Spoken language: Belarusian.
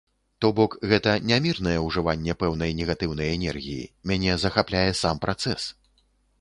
То бок гэта не мірнае ўжыванне пэўнай негатыўнай энергіі, мяне захапляе сам працэс.